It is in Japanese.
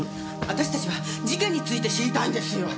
私たちは事件について知りたいんですよ。